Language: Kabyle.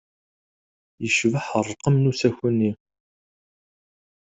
Yecbeḥ ṛṛqem n usaku-nni.